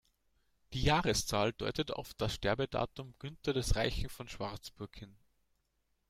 Die Jahreszahl deutet auf das Sterbedatum Günther des Reichen von Schwarzburg hin.